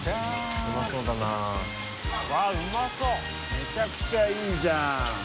めちゃくちゃいいじゃん。